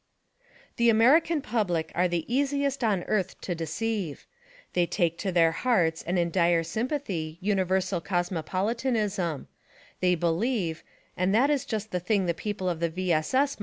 The American public are the easiest on earth to deceive ; they take to their hearts and in dire sympathy universal cosmopolitanism ; they believe ; and that is just the thing the people of the V. S. S.